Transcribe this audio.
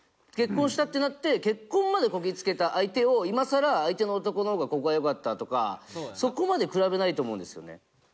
結婚したってなって結婚までこぎ着けた相手を今さら相手の男の方がここがよかったとかそこまで比べないと思うんですよね。